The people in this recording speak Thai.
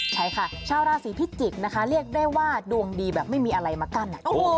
ใช่ค่ะชาวราศีพิจิกษ์นะคะเรียกได้ว่าดวงดีแบบไม่มีอะไรมากั้น